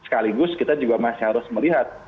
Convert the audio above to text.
sekaligus kita juga masih harus melihat